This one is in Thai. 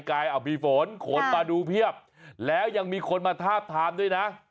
เอ้ามีฝนโขลดมาดูเพียบและอย่างมีคนมาทาบทามด้วยนะ